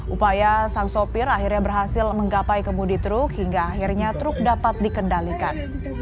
upaya sang sopir akhirnya berhasil menggapai kemudi truk hingga akhirnya truk dapat dikendalikan